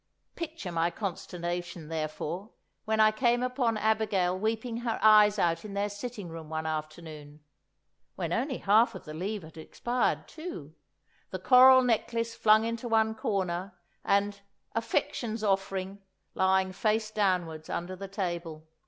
Picture my consternation, therefore, when I came upon Abigail weeping her eyes out in their sitting room one afternoon (when only half of the leave had expired too!), the coral necklace flung into one corner, and "affection's offering" lying face downwards under the table.